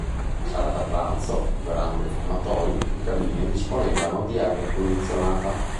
Sala da pranzo, verande-fumatoi e cabine disponevano di aria condizionata.